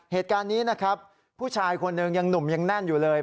เหตุการณ์นี้นะครับผู้ชายคนหนึ่งยังหนุ่มยังแน่นอยู่เลย